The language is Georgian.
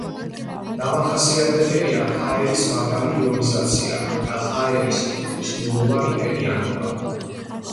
დამახასიათებელია ჰაერის მაღალი იონიზაცია და ჰაერის თითქმის ნულოვანი ტენიანობა.